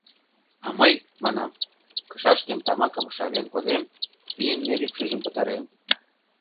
А мый, манам, кышашкем тамакым шавен кодем, пийын нер ӱпшыжым пытарем.